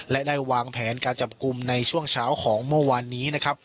และได้วางแผนการจับกลุ่มในช่วงเช้าของเมื่อวานนี้นะครับ